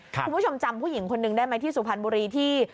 คุณผู้ชมจำผู้หญิงคนนึงได้ไหมที่สุพรรณบุรีที่